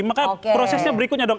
maka prosesnya berikutnya dong